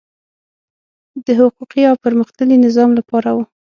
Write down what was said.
د حقوقي او پرمختللي نظام لپاره وو.